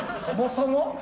そもそも？